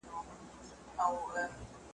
د ښار خلکو پیدا کړې مشغولا وه .